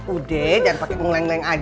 udah jangan pake mung leng leng aja